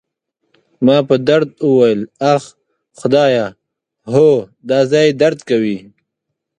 ما په درد وویل: اخ، خدایه، هو، دا ځای درد کوي.